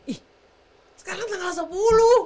ih sekarang tanggal sepuluh